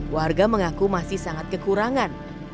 warga mengaku masih sangat kekurangan